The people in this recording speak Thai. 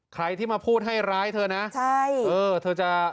ใครที่มาพูดให้ร้ายเธอนะผมใสละโอ้โห